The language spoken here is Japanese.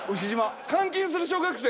監禁する小学生。